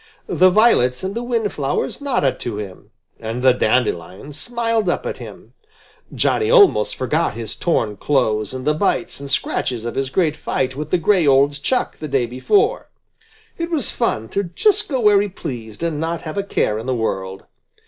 The violets and the wind flowers nodded to him, and the dandelions smiled up at him. Johnny almost forgot his torn clothes and the bites and scratches of his great fight with the gray old Chuck the day before. It was fun to just go where he pleased and not have a care in the world.